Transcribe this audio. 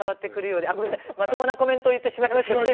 まともなコメントを言ってしまいました。